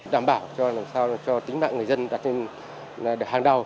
đảm bảo cho làm sao cho tính mạng người dân đạt đến hàng đầu